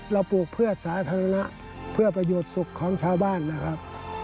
ปลูกเพื่อสาธารณะเพื่อประโยชน์สุขของชาวบ้านนะครับ